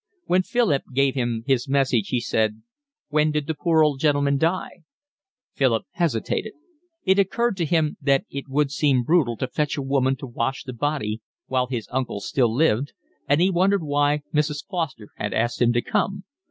When Philip gave him his message, he said: "When did the poor old gentleman die?" Philip hesitated. It occurred to him that it would seem brutal to fetch a woman to wash the body while his uncle still lived, and he wondered why Mrs. Foster had asked him to come.